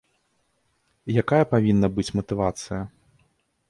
Якая павінна быць матывацыя?